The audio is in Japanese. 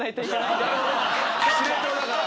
司令塔だから。